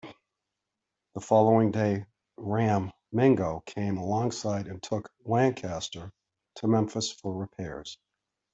The following day ram "Mingo" came alongside and took "Lancaster" to Memphis for repairs.